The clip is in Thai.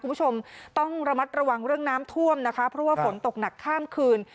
คุณผู้ชมต้องระมัดระวังเรื่องน้ำท่วมนะคะเพราะว่าฝนตกหนักข้ามคืน